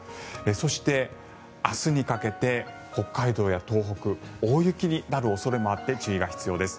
そして、明日にかけて北海道や東北大雪になる恐れもあって注意が必要です。